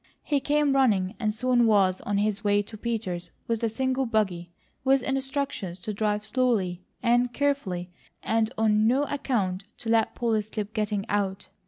He came running and soon was on his way to Peters' with the single buggy, with instructions to drive slowly and carefully and on no account to let Polly slip getting out.